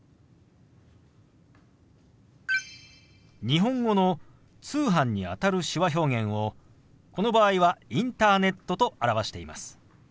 日本語の「通販」にあたる手話表現をこの場合は「インターネット」と表しています。